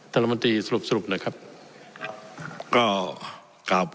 ท่านรัฐมนตรีสรุปนะครับ